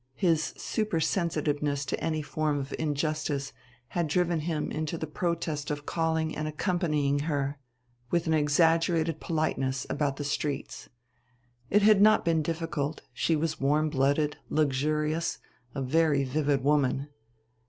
His supersensitiveness to any form of injustice had driven him into the protest of calling and accompanying her, with an exaggerated politeness, about the streets. It had not been difficult; she was warm blooded, luxurious, a very vivid woman.